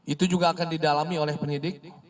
itu juga akan didalami oleh penyidik